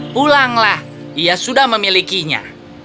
pulanglah dia sudah memilikinya